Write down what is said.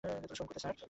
শঙ্কুতে, sir.